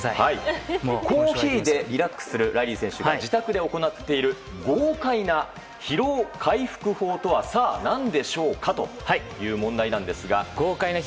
コーヒーでリラックスするライリー選手が自宅で行っている豪快な疲労回復法とは何でしょうかという問題なんですが。